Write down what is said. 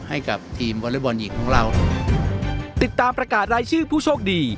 ให้กับทีมวอเล็กบอลหญิงของเราติดตามประกาศรายชื่อผู้โชคดี